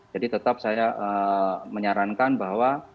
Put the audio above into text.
jadi tetap saya menyarankan bahwa